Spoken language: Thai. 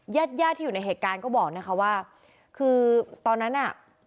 ญาติญาติที่อยู่ในเหตุการณ์ก็บอกนะคะว่าคือตอนนั้นอ่ะ